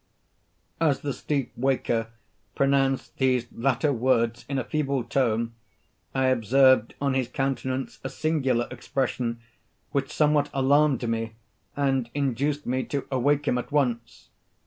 As the sleep waker pronounced these latter words, in a feeble tone, I observed on his countenance a singular expression, which somewhat alarmed me, and induced me to awake him at once.